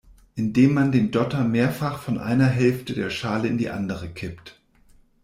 Indem man den Dotter mehrfach von einer Hälfte der Schale in die andere kippt.